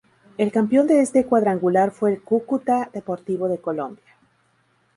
El campeón de este cuadrangular fue el Cúcuta Deportivo de Colombia.